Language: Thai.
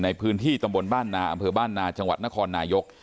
ในพื้นที่ตำบลบ้านนาอำเภอบ้านนาจังหวัดนครนายก